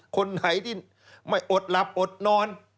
คนไหนที่ไม่อดหลับอดนอน